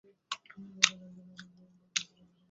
না আমি নই।